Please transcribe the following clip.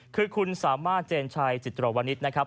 คือคุณสามารถเจนชัยจิตรวนิตนะครับ